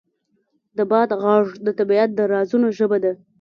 د باد غږ د طبیعت د رازونو ژبه ده.